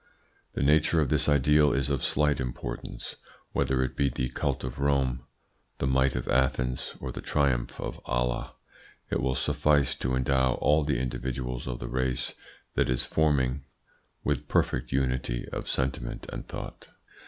The nature of this ideal is of slight importance; whether it be the cult of Rome, the might of Athens, or the triumph of Allah, it will suffice to endow all the individuals of the race that is forming with perfect unity of sentiment and thought.